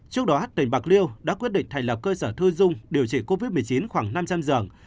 trước đó tỉnh bạc liêu đã quyết định thành lập cơ sở thu dung điều trị covid một mươi chín khoảng năm trăm linh giường